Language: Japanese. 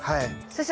先生